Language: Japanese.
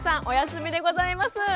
お休みでございます。